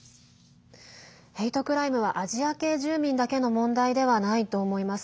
ヘイトクライムはアジア系住民だけの問題ではないと思います。